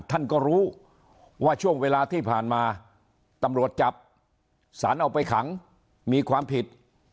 ท่านก็รู้ว่าช่วงเวลาที่ผ่านมาตำรวจจับสารเอาไปขังมีความผิด